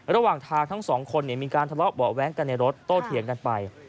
ระหว่างทางทั้งสองคนมีการทะเลาะเบาะแว้งกันในรถโตเถียงกันไป